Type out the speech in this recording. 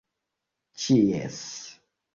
ĉies